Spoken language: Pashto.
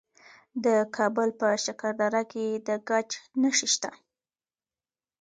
د کابل په شکردره کې د ګچ نښې شته.